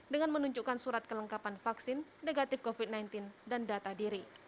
dengan menunjukkan surat kelengkapan vaksin negatif covid sembilan belas dan data diri